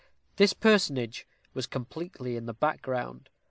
This personage was completely in the background.